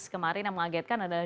kemarin yang mengagetkan adalah